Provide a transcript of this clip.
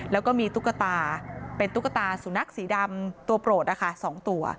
แล้วก็มีตุ๊กตาเป็นตุ๊กตาสุนัขสีดำตัวโปรดนะคะ๒ตัว